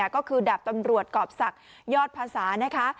ก็คือดาบตำรวจกรอบศักดิ์ยอดภาษานะคะ